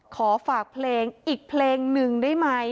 ขอฝากเพลงอีกเพลงหนึ่งได้ไหม